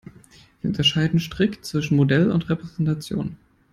Wir unterscheiden strikt zwischen Modell und Repräsentation.